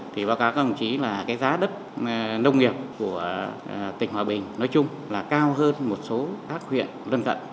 thì báo cáo các ông chí là cái giá đất nông nghiệp của tỉnh hòa bình nói chung là cao hơn một số các huyện lân tận